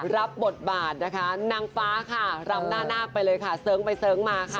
รับบทบาทนะคะนางฟ้าค่ะรำหน้านาคไปเลยค่ะเสิร์งไปเสิร์งมาค่ะ